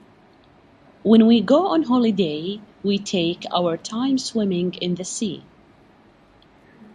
When we go on holiday, we take our time swimming in the sea.